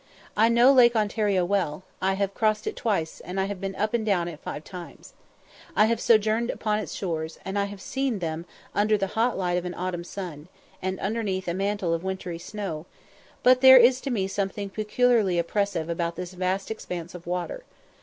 I know Lake Ontario well; I have crossed it twice, and have been up and down it five times. I have sojourned upon its shores, and have seen them under the hot light of an autumn sun, and underneath a mantle of wintry snow; but there is to me something peculiarly oppressive about this vast expanse of water.